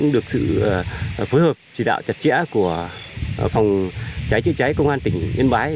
được sự phối hợp chỉ đạo chặt chẽ của phòng cháy chữa cháy công an tỉnh yên bái